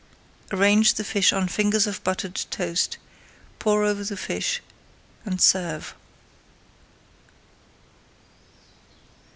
Arrange the fish on fingers of buttered toast, pour over the fish, and serve.